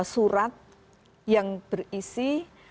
surat yang berisi